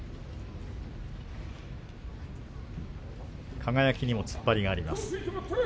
輝にも突っ張りがあります。